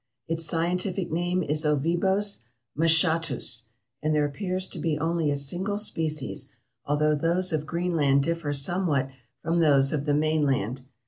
Its scientific name is Ovibos moschatus, and there appears to be only a single species, although those of Greenland differ somewhat from those of the mainland.